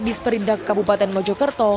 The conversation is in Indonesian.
disperindah kabupaten mojokerto